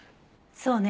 そうね。